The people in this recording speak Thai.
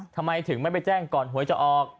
ทำไมถึงไม่ไปแจ้งก่อนหวยจะออก